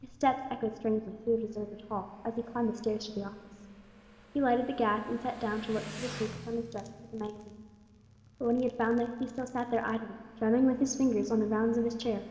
His steps echoed strangely through the deserted hall as he climbed the stairs to the office. He lighted the gas, and sat down to look through the papers on his desk for the magazine. But when he had found it, he still sat there idly, drumming with his fingers on the rounds of his chair.